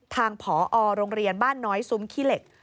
ผอโรงเรียนบ้านน้อยซุ้มขี้เหล็ก